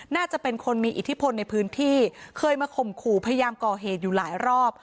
น่าจะเป็นคนมีอิทธิพลในพื้นที่เคยมาข่มขู่พยายามก่อเหตุอยู่หลายรอบ